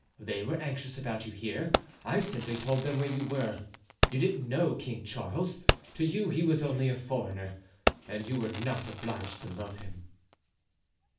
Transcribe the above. They were anxious about you here; I simply told them where you were. You didn't know King Charles; to you he was only a foreigner and you were not obliged to love him."